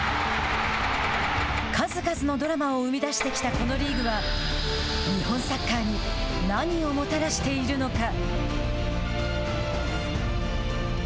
数々のドラマを生み出してきたこのリーグは日本サッカーに何をもたらしているのか。